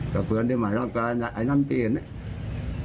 ก็เพื่อนที่มารับการไอ้น้ำเตียนเนี่ย